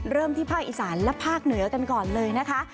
ที่ภาคอีสานและภาคเหนือกันก่อนเลยนะคะ